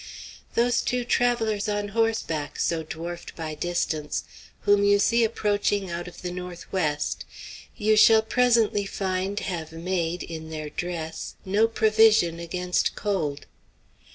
Those two travellers on horseback, so dwarfed by distance, whom you see approaching out of the north west, you shall presently find have made, in their dress, no provision against cold.